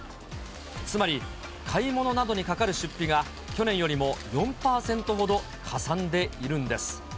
つまり、買い物などにかかる出費が、去年よりも４％ほどかさんでいるんです。